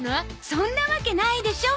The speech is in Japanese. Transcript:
そんなわけないでしょ。